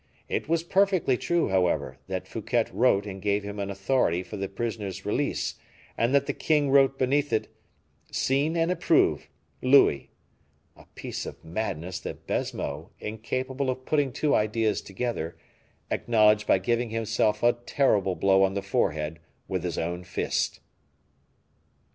It was perfectly true, however, that Fouquet wrote and gave him an authority for the prisoner's release, and that the king wrote beneath it, "Seen and approved, Louis"; a piece of madness that Baisemeaux, incapable of putting two ideas together, acknowledged by giving himself a terrible blow on the forehead with his own fist.